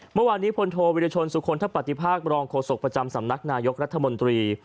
เมื่อวานนี้พลโทวิรชนสุคลทะปฏิภาครองโฆษกประจำสำนักนายกรัฐมนตรี